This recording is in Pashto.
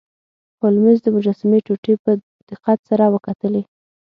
هولمز د مجسمې ټوټې په دقت سره وکتلې.